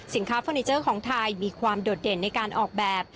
เฟอร์นิเจอร์ของไทยมีความโดดเด่นในการออกแบบ